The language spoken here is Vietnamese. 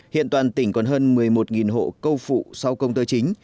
hiện toàn tỉnh còn hơn một mươi một hộ câu phụ sau công tơ chính